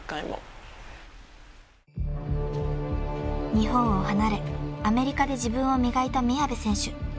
［日本を離れアメリカで自分を磨いた宮部選手］